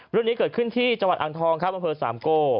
รุ่นนี้เกิดขึ้นที่จังหวัดอังทองครับบสามโก